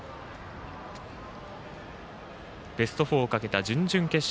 ベスト４をかけた準々決勝